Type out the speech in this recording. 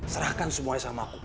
serahkan semuanya sama aku